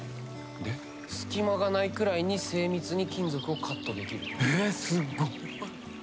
隙間がないくらいに精密に金属をカットできると。